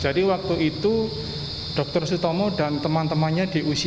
jadi waktu itu dr sutomo dan teman temannya di usia dua puluh tahunan itu